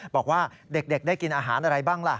บอกว่าเด็กได้กินอาหารอะไรบ้างล่ะ